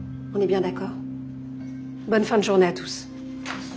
はい。